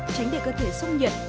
tránh để cơ thể sốc nhiệt